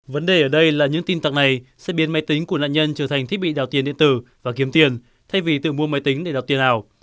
vấn đề ở đây là những tin tặc này sẽ biến máy tính của nạn nhân trở thành thiết bị đào tiền điện tử và kiếm tiền thay vì tự mua máy tính để đọc tiền ảo